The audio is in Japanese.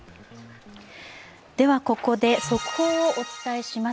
ここで速報をお伝えします。